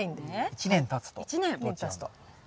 １年たつと。